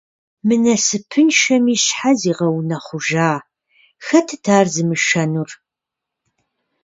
Мы насыпыншэми щхьэ зигъэунэхъужа? Хэтыт ар зымышэнур?